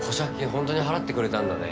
本当に払ってくれたんだね。